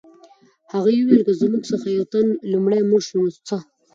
هغې وویل که زموږ څخه یو تن لومړی مړ شو نو څه